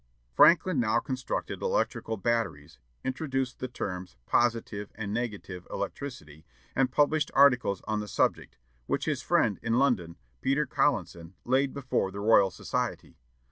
Franklin now constructed electrical batteries, introduced the terms "positive" and "negative" electricity, and published articles on the subject, which his friend in London, Peter Collinson, laid before the Royal Society.